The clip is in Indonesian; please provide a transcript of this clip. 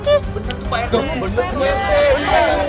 bener tuh pak rt